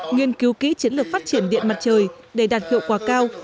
nghiên cứu kỹ chiến lược phát triển điện mặt trời để đạt hiệu quả cao